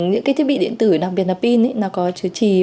những thiết bị điện tử đặc biệt là pin có chứa trị